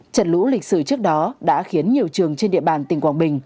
trận lũ lịch sử trước đó đã khiến nhiều trường trên địa bàn tỉnh quảng bình